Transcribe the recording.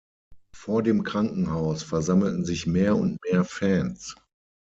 Vor dem Krankenhaus versammelten sich mehr und mehr Fans.